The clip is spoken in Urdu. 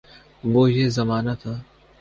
یہ وہ زمانہ تھا۔